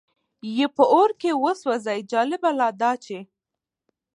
یې په اور کې وسوځي، جالبه لا دا چې.